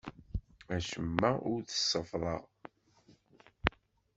Acemma ur t-seffḍeɣ.